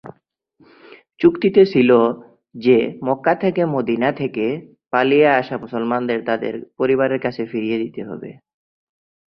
চুক্তিতে ছিলো, যে মক্কা থেকে মদিনা থেকে পালিয়ে আসা মুসলমানদের তাদের পরিবারের কাছে ফিরিয়ে দিতে হবে।